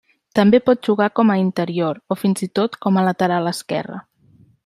També pot jugar com a interior, o fins i tot com a lateral esquerre.